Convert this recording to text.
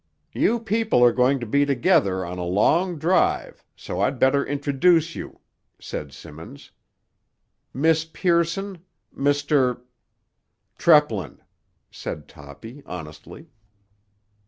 "You people are going to be together on a long drive, so I'd better introduce you," said Simmons. "Miss Pearson, Mr. ——" "Treplin," said Toppy honestly.